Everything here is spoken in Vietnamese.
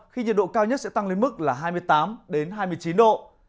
khi nhiệt độ cao nhất sẽ tăng lên mức là hai mươi tám hai mươi chín độ